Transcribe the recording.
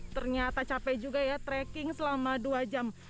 ternyata cape juga ya trekking selama dua jam